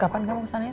kapan kamu kesananya